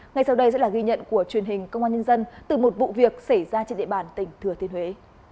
ngay sau đây sẽ là ghi nhận của truyền hình công an nhân dân từ một vụ việc xảy ra trên địa bàn tỉnh thừa thiên huế